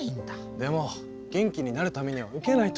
でも元気になるためには受けないと！